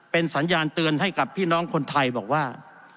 เป็นสัญญาณเตือนให้กับพี่น้องคนไทยบอกว่า